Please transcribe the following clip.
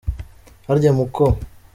Harya muko